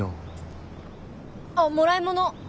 あっもらいもの。